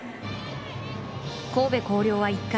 神戸弘陵は１回。